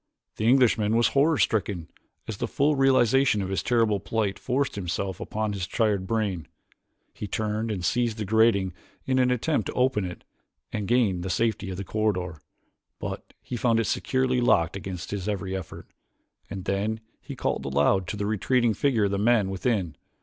The Englishman was horror stricken as the full realization of his terrible plight forced itself upon his tired brain. He turned and seized the grating in an attempt to open it and gain the safety of the corridor, but he found it securely locked against his every effort, and then he called aloud to the retreating figure of the men within.